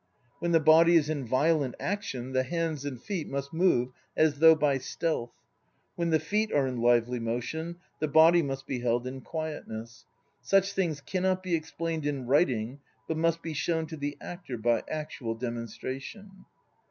When the body is in violent action, the hands and feet must move as though by stealth. When the feet are in lively motion, the body must be held in quietness. Such things cannot be explained in writ ing but must be shown to the actor by actual demonstration.